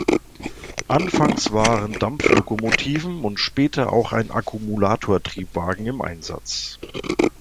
Anfangs waren Dampflokomotiven und später auch ein Akkumulatortriebwagen im Einsatz.